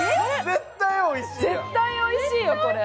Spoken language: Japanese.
絶対おいしいやん。